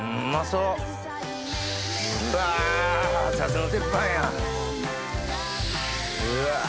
うわ！